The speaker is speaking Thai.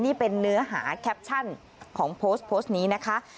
นี่เป็นเนื้อหาแคปชั่นของโพสต์โพสต์นี้นะคะ